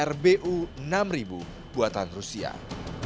roket ini didesain untuk mencari penyelamatkan kapal selam musuh